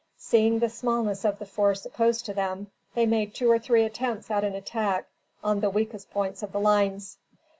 Seeing the smallness of the force opposed to them, they made two or three attempts at an attack on the weakest points of the lines.